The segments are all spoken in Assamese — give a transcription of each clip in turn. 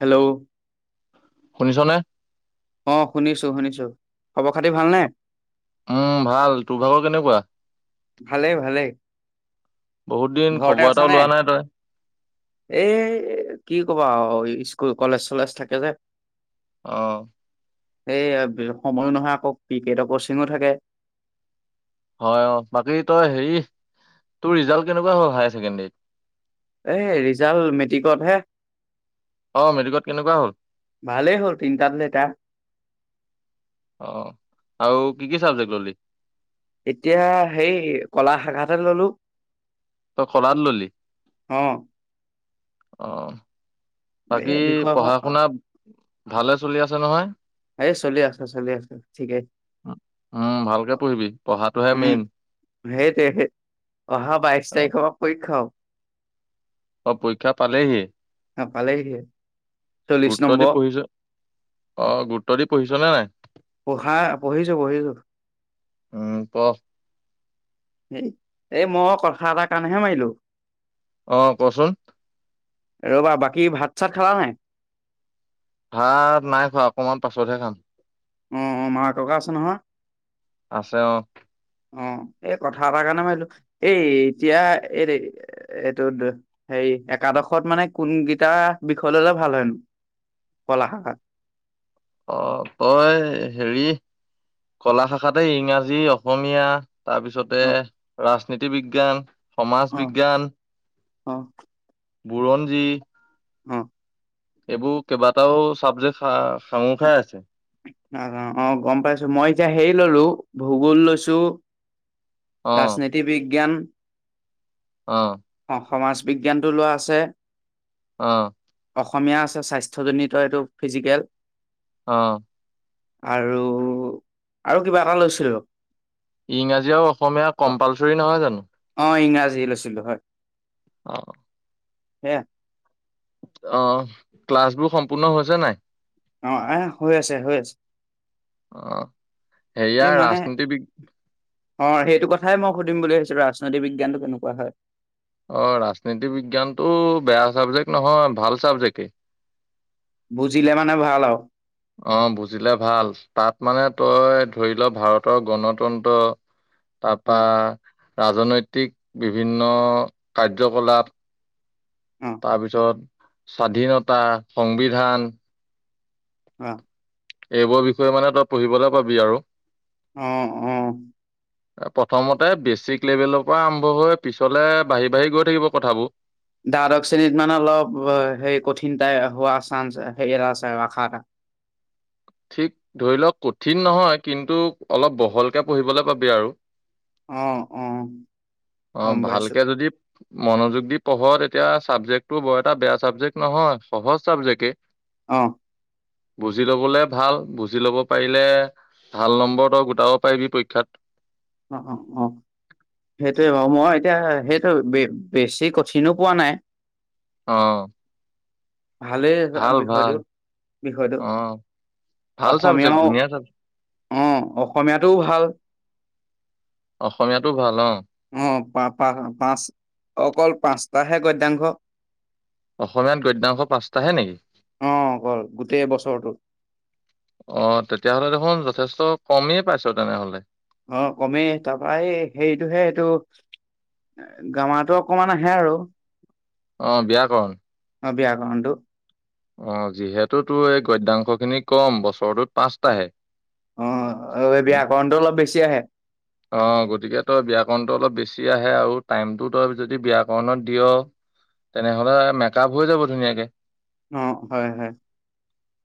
হেল্ল। শুনিছ নে? অ, শুনিছো, শুনিছো। খবৰ-খাতি ভালনে? উম ভাল, তোৰ ভাগৰ কেনেকুৱা? ভালেই ভালেই বহুত দিন ঘৰতে খবৰ এটাও আছানে লোৱা নাই তই। এই কি কবা আও স্কুল, কলেজ-চলেজ থাকে যে। অ। সেই সময়ো নহয়, আকৌ ক্ৰিকেটৰ কচিঙো থাকে। হয় অ, বাকী তই হেৰি তোৰ ৰিজাল্ট কেনেকুৱা হ'ল হায়াৰ ছেকেণ্ডাৰী? এই ৰিজাল্ট মেট্ৰিকতহে অ', মেট্ৰিকত কেনেকুৱা হ'ল? ভালেই হ'ল তিনিটাত লেটাৰ। অ, আৰু কি কি চাবজেক্ট ল'লি? এতিয়া হেৰি, কলা শাখাতহে ল'লো। তই কলাত ললি অ অ। বাকী এই বিষয় পঢ়া-শুনা ভালে চলি আছে নহয়? এই চলি আছে চলি আছে ঠিকেই। উম ভালকে পঢ়িবি, পঢ়াটোহে উম মেইন। সেইটোৱে সেই, অহা বাইশ অ', তাৰিখৰ পৰা পৰীক্ষাও। অ, পৰীক্ষা পালেহিয়ে পালেহিয়ে চল্লিশ গুৰুত্ব দি নম্বৰ পঢ়ি অ, গুৰুত্ব দি পঢ়িছনে নাই? পঢ়া পঢ়িছো, পঢ়িছো। উম, পঢ়। এই মই কথা এটাৰ কাৰণেহে মাৰিলো। অ, কচোন? ৰ'বা, বাকী ভাত-চাত খালা নাই? ভাত নাই খোৱা, অকমান পাছতহে খাম। উম। মা, ককা আছে নহয়? আছে অ। অ, এই কথা এটাৰ কাৰণে মাৰিলো, এই এতিয়া এইটোত হেৰি, একাদশত মানে কোনগিটা, বিষয় ল'লে ভাল হয়নো ক'লা শাখাত? অ, তই হেৰি কলা শাখাতে ইংৰাজী, অসমীয়া তাৰপিছতে অ ৰাজনীতি বিজ্ঞান সমাজ অ, বিজ্ঞান অ। বুৰঞ্জী। অ'। এইবোৰ কেইবাটাও চাবজেক্ট চা সাঙুৰ খাই আছে। আ আ অ গম পাইছো মই এতিয়া হেৰি ললো ভূগোল লৈছো, অ ৰাজনীতি বিজ্ঞান, অ অ সমাজ বিজ্ঞানটো লোৱা আছে, অ অসমীয়া আছে স্বাস্থ্যজনিত এইটো ফিজিকেল অ আৰু, আৰু কিবা এটা লৈছিলো। ইংৰাজী আৰু অসমীয়া কম্পালচৰি নহয় জানো? অ ইংৰাজী লৈছিলো হয়। অ সেয়া অ, ক্লাছ বোৰ সম্পূৰ্ণ হৈছে নাই? অ আহ হৈ আছে, হৈ আছে। অ এই সেইয়াৰ মানে ৰাজনীতি বি অ সেইটো কথাই মই সুধিম বুলি ভাবছিলো ৰাজনৈতি বিজ্ঞানটো কেনেকুৱা হয় অ ৰাজনীতি বিজ্ঞানটো বেয়া চাবজেক্ট নহয় ভাল চাবজেক্টেই বুজিলে মানে ভাল আও অ বুজিলে ভাল তাত মানে তই ধৰি ল ভাৰতৰ গণতন্ত্ৰ [inaudible] তাপা হয় ৰাজনৈতিক বিভিন্ন কাৰ্যকলাপ অ তাৰপিছত স্বাধীনতা, সংবিধান অ এইবোৰ বিষয়ে মানে তই পঢ়িবলে পাবি আৰু অ অ [inaudible] প্ৰথমতে বেছিক লেভেলৰ পৰা আৰম্ভ হৈ পিছলে বাঢ়ি বাঢ়ি গৈ থাকিব কথাবো দ্বাদশ শ্ৰেণীত মানে অলপ এ সে কঠিন তাই হোৱা চান্স হেৰি এটা আছে আৰু আশা এটা ঠিক ধৰি ল কঠিন নহয় কিন্তু অলপ বহলকে পঢ়িবলৈ পাবি আৰু অ অ গম পাইছো। মনযোগ দি পঢ় তেতিয়া চাবজেক্টটো বৰ এটা বেয়া চাবজেক্ট নহয় সহজ চাবজেক্টেই অহ বুজি লবলে ভাল বুজি ল'ব পাৰিলে ভাল নম্বৰ তই গোটাব পাৰিবি পৰীক্ষাত অ অ অ সেইটোৱে বাৰু মই এতিয়া সেইটো বে বেছি কঠিনো পোৱা নাই অ ভালেই ভাল ভাল বিষয়টো বিষয়টো অ ভাল চাবজেক্ট অসমীয়াও ধুনীয়া চাবজেক্ট অ অসমীয়াটোও ভাল অসমীয়াটো ভাল অ অ অ পা পা পাঁচ অকল পাঁচটাহে গদ্যাংশ অসমীয়াত গদ্যাংশ পাচটাহে নেকি? অঁ, অকল গোটেই বছৰটো। অঁ, তেতিয়াহ'লে দেখোন যথেষ্ট কমেই পাইছ তেনেহলে। অঁ, কমেই। তাপা এই হেৰিটোহে এইটো। গ্ৰামাৰটো অকমান আহে আৰু। অঁ, ব্যাকৰণ। অঁ, ব্যাকৰণটো। অঁ, যিহেতু তোৰ এই গদ্যাংশ খিনি কম, বছৰটোত পাঁচটাহে। অঁ, এই ব্যাকৰণটো অলপ বেছি আহে। অঁ, গতিকে তই ব্যাকৰণটো অলপ বেছি আহে আৰু টাইমটো তই যদি ব্যাকৰণত বেছি দিয়- তেনেহ'লে মেকআপ হৈ যাব ধুনীয়াকে। অঁ, হয় -হয়।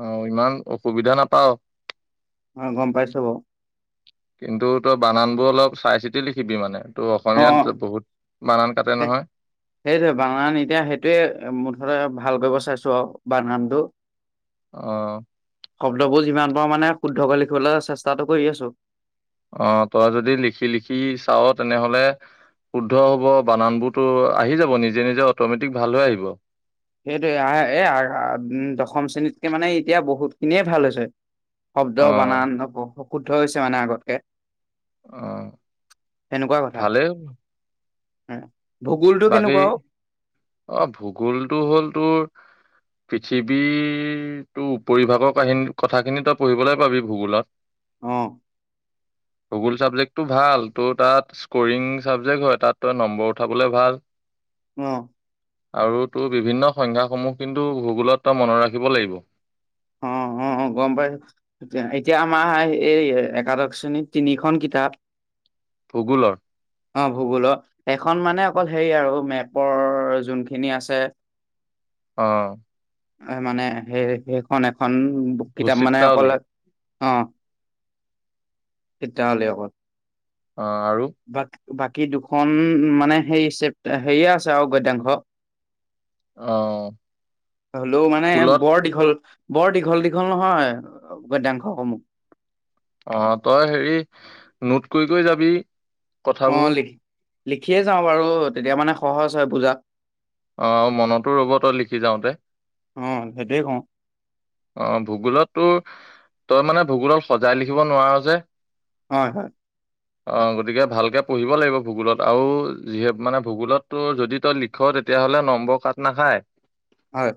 অঁ, ইমান অসুবিধা নাপাওঁ। অঁ, গম পাইছো বাওঁ। কিন্তু তই বানান বোৰ অলপ চাই চিতি লিখিবি মানে। তোৰ অ', অসমীয়াত বহুত বানান কাটে নহয়। সেইটোৱে, বানান এতিয়া সেইটোয়ে মুঠতে ভাল কৰিব চাইছো আৰু বানানটো। অঁ। শব্দবোৰ যিমান পাৰো মানে শুদ্ধকৈ লিখিবলৈ চেষ্টাটো কৰি আছোঁ। অঁ, তই যদি লিখি লিখি চাৱ তেনেহলে- শুদ্ধ হব, বানানবোৰতো আহি যাব নিজে নিজে অট'মেটিক ভাল হৈ আহিব। সেইটোৱে, এ আ দশম শ্ৰেণীতকে মানে এতিয়া বহুত খিনিয়ে ভাল হৈছে। শব্দ অ বানান শুদ্ধ হৈছে মানে আগতকে। অ সেনেকুৱা কথা। ভালেই ভূগোলটো বাকী কেনেকুৱা অ অঁ, ভূগোলটো হ'ল তোৰ- পৃথিৱীৰটো উপৰিভাগৰ কাহিনী কথাখিনি তই পঢ়িবলৈ পাবি ভূগোলত। অঁ। ভূগোল চাবজেক্টটো ভাল। তোৰ তাত- স্কৰিং চাবজেক্ট হয়, তাত তই নম্বৰ উঠাবলে ভাল। অঁ। আৰু তোৰ বিভিন্ন সংখ্যাসমূহ কিন্তু ভূগোলত তই মনত ৰাখিব লাগিব। অঁ, অঁ, গম পাইছোঁ। এতিয়া আমাৰ এই একাদশ শ্ৰেণীত তিনিখন কিতাপ। ভূগোলৰ? অঁ, ভূগোলৰ। এখন মানে অকল হেৰি আৰু মেপৰ যোনখিনি আছে। অঁ। মানে সেই সেইখন এখন বুক কিতাপ মানে ভূচিত্ৰাৱলী অকল- অঁ, তেতিয়াহ'লে অকল- অঁ, আৰু? বা বাকী দুখন মানে হে চেপ হেৰিয়ে আছে আৰু গদ্যাংশ। অ হ'লেও মানে স্কুলত বৰ দীঘল। বৰ দীঘল দীঘল নহয় গদ্যাংশ সমুহ। অঁ, তই হেৰি নোট কৰি কৰি যাবি। অঁ, কথাবোৰ লিখ লিখিয়ে যাওঁ বাৰু তেতিয়া মানে সহজ হয় বুজাত। অঁ, মনতো ৰ'ব তই লিখি যাওঁতে। অঁ, সেইটোয়ে কওঁ। অ ভূগোলত তো তই মানে ভূগোলত সজাই লিখিব নোৱাৰ যে হয় হয় [inaudible] অ গতিকে ভালকে পঢ়িব লাগিব ভূগোলত আৰু যিহেত মানে ভূগোলত তো যদি তই লিখ লিখ তেতিয়াহ'লে নম্বৰ কাট নাখায় হয়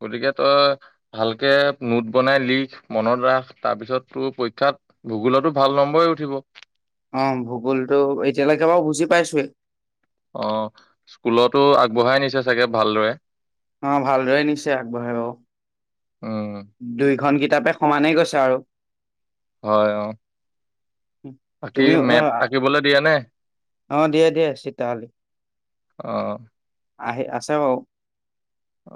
গতিকে তই ভালকে নোট বনাই লিখ মনত ৰাখ তাৰপিছত তোৰ পৰীক্ষাত ভুগোলতো ভাল নম্বৰে উঠিব অঁ ভূগোলটো এতিয়ালৈকে বাৰু বুজি পাইছোয়ে। অঁ স্কুলতো আগবঢ়াই নিছে চাগে ভালদৰে অঁ ভালদৰে নিছে আগবঢ়াই বাউ উম' দুইখন কিতাপে সমানেই গৈছে আৰু হয় অ' বাকী তুমিও মেপ এআ আঁকিবলৈ দিয়ে নে অ' দিয়ে দিয়ে চিত্ৰাৱলী অঁ আহে আছে বাউ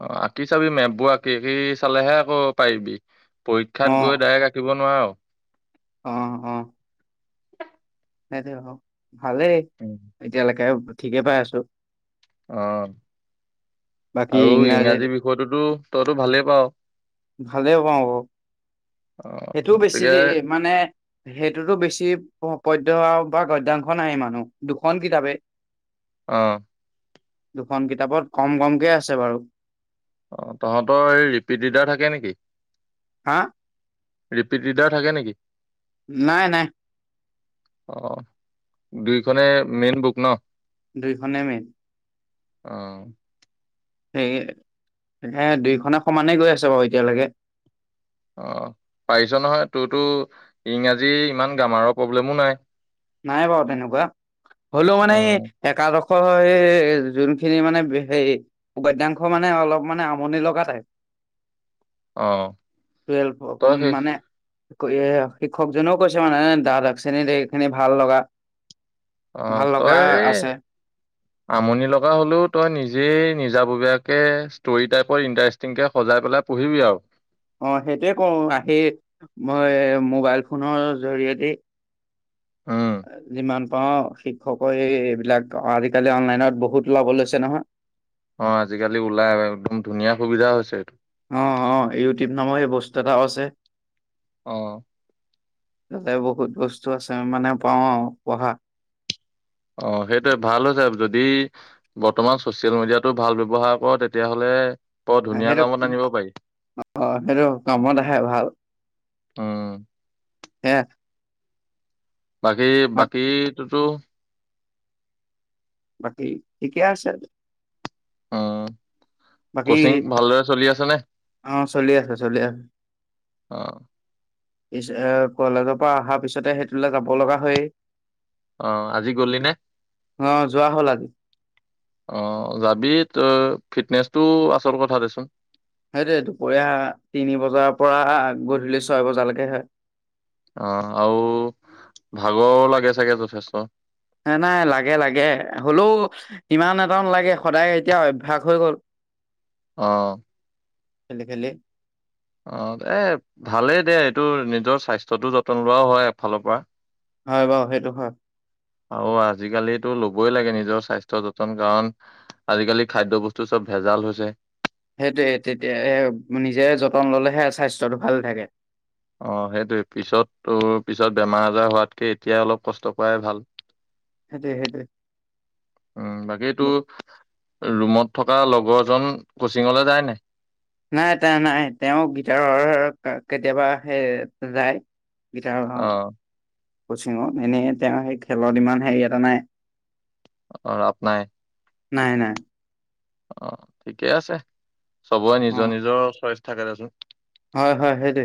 অঁ আঁকি চাবি মেপবোৰ আঁকি চালেহে আকৌ পাৰিবি, অ পৰীক্ষাত গৈ ডাইৰেক্ট আঁক দিব নোৱাৰ অঁ অঁ সেইটোৱে বাউ ভালেই উম' এতিয়ালেকে ঠিকে পাই আছোঁ। অঁ বাকী আৰু ইংৰাজীত ইংৰাজী বিষয়টোতো তইতো ভালেই পাৱ। ভালে পাওঁ বাউ অ সেইটো বেছি গতিকে ৰি মানে সেইটোতো বেছি প পদ্য আৰু বা গদ্যাংশ নাই ইমানো দুখন কিতাপে অঁ দুখন কিতাপত কম কমকে আছে বাৰু। অঁ তহঁতৰ এই ৰিপিদিডাৰ থাকে নিকি? হা ৰিপিট ৰিডাৰ থাকে নিকি? নাই নাই। অঁ দুইখনেই মেইন বুক ন দুইখনেই মেইন অঁ সেই তহে দুইখনে সমানেই গৈ আছে বাৰু এতিয়ালেগে অঁ পাৰিছ নহয়, তোৰতো ইংৰাজী ইমান গ্ৰামাৰৰ প্ৰব্লেমও নাই। নাই বাৰু তেনেকুৱা, হ'লৌ মানে অ', একাদশৰ এই যোনখিনি মানে হেৰি উপাদ্যাংশ মানে অলপ মানে আমনি লগা টাইপ অ', টুৱেলভ অক তই শেষ মানে আকৌ এ শিক্ষকজনেও কৈছে মানে দ্বাদশ শ্ৰেণীত এইখিনি ভাল লগা অঁ ভাল লগা তই ৰে আছে আমনি লগা হ'লেও তই নিজেই নিজাববীয়াকে ষ্টৰী টাইপৰ ইণ্টাৰেষ্ট তেনেকে সজাই পেলাই পঢ়িবি আৰু অঁ সেইটোৱে কৰোঁ, আহি মই এ মোবাইল ফোনৰ জৰিয়তে উম' যিমান পাৰোঁ শিক্ষকৰ এইবিলাক আজিকালি অনলাইনত বহুত ওলাব লৈছে নহয়। অঁ আজিকালি ওলাই একদম ধুনীয়া সুবিধা হৈছে এইটো অঁ অ' ইউটিউব নামৰ এ বস্তু এটাও আছে। অ তাতে বহুত বস্তু আছে মানে পাওঁ আৰু পঢ়া অঁ সেইটোৱে ভাল হৈছে যদি বৰ্তমান ছচিয়েল মিডিয়াটো ভাল ব্যৱহাৰ কৰ তেতিয়াহ'লে বৰ ধুনীয়া আহেটো কামত আনিব পাৰি অ' সেইটো কামত আহে ভাল। উম, হে বাকী বাক বাকীটোতো বাকী ঠিকে আছে অ বাকী কচিং ভালদৰে চলি আছে নে অ', চলি আছে চলি আছে। অ পিছে কলেজৰ পৰা অহাৰ পিছতে সেইটোলৈ যাব লগা হয়েই অ আজি গলি নে অ যোৱা হ'ল আজি অ যাবি তই ফিটনেচটো আচল কথা দেচোন সেইটোৱে দুপৰীয়া তিনি বজাৰ পৰা গধূলি ছয় বজালৈকে হয় অ আৰু ভাগৰ লাগে চাগে যথেষ্ট নাই নাই লাগে লাগে হলেও ইমান এটা নালাগে সদায় এতিয়া অভ্যাস হৈ গল অ খেলি খেলি অ এ ভালেই দে এইটো নিজৰ স্বাস্থ্যটো যতন লোৱাও হয় এফালৰ পৰা হয় বাৰু সেইটো হয় আৰু আজিকালিতো ল'বই লাগে নিজৰ স্বাস্থ্যৰ যতন কাৰণ আজিকালি খাদ্য বস্তু চব ভেজাল হৈছে সেইটোয়ে তেতিয়া এ নিজে যতন ললেহে স্বাস্থ্যটো ভালে থাকে অ সেইটোয়ে পিছত তোৰ পিছত বেমাৰ আজাৰ হোৱাতকে এতিয়াই অলপ কষ্ট কৰাই ভাল [inaudible] সেইটোৱে সেইটোৱে উম বাকীতোৰ ৰুমত থকা লগৰজন কোচিঙলে যায় নাই নাই তেওঁ নাই তেওঁ গিটাৰৰ কেতিয়াবা সেই যায় গিটাৰৰ অ কচিঙত এনেই তেওঁ সেই খেলত ইমান হেৰি এটা নাই অ ৰাপ নাই নাই নাই অ ঠিকে আছে চবৰে অ নিজৰ নিজৰ চইচ থাকে দেচোন হয় হয় সেইটোৱে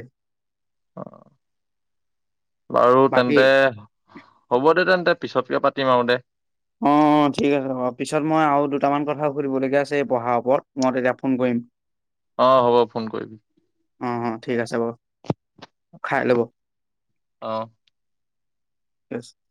অ বাৰু বাকী তেন্তে হ'ব দে তেন্তে পিছতকে পাতিম আৰু দে অ অ ঠিক আছে দে হ'ব পিছত মই আৰু দুটামান কথা সুধিবলগীয়া আছে এই পঢ়াৰ ওপৰত মই তেতিয়া ফোন কৰিম অ হ'ব ফোন কৰিবি। অ অ ঠিক আছে বাৰু, খাই লব। অ। [unintelligible]